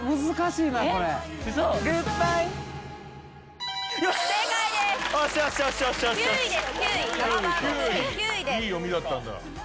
いい読みだったんだ。